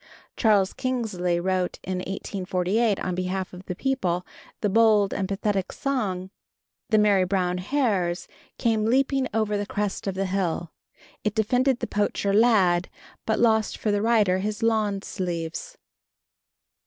Charles Kingsley wrote in 1848, on behalf of the people, the bold and pathetic song: The merry brown hares came leaping Over the crest of the hill. It defended the poacher lad, but lost for the writer his lawn sleeves.